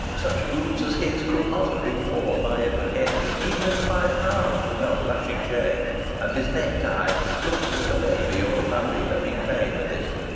Such boots as his could not have been worn by Edward Henry even in the Five Towns without blushing shame, and his necktie looked as if a baby or a puppy had been playing with it.